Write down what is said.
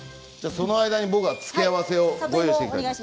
その間に僕は付け合わせを準備していきます。